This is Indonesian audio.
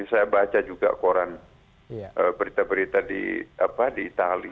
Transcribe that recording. saya baca juga koran berita berita di itali